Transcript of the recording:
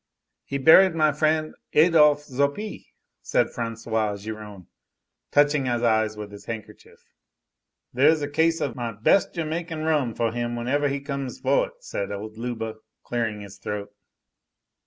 "He buried my friend Adolphe Xaupi," said François Giron, touching his eyes with his handkerchief. "There is a case of my best Jamaica rum for him whenever he comes for it," said old Leuba, clearing his throat.